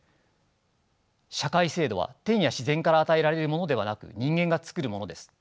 社会制度は天や自然から与えられるものではなく人間が作るものです。